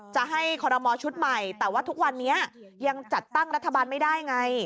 จะให้คอรมอชุดใหม่แต่ว่าทุกวันนี้ยังจัดตั้งรัฐบาลไม่ได้ไง